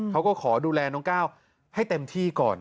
เขาก็ขอดูแลน้องก้าวให้เต็มที่ก่อน